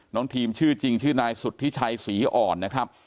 น้องทีมชื่อจริงชื่อนายสุธิชัยศรีอ่อนนะครับ